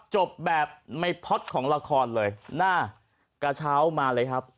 จบแบบในพ็อตของละครเลยหน้ากระเช้ามาเลยครับ